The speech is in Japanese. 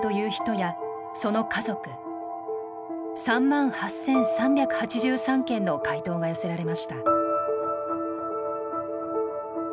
３万８，３８３件の回答が寄せられました。